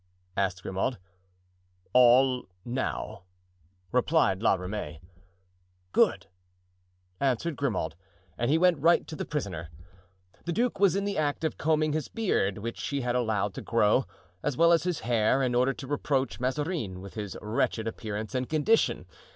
asked Grimaud. "All now," replied La Ramee. "Good," answered Grimaud; and he went right to the prisoner. The duke was in the act of combing his beard, which he had allowed to grow, as well as his hair, in order to reproach Mazarin with his wretched appearance and condition.